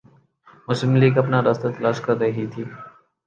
مسلم لیگ اپنا راستہ تلاش کررہی تھی۔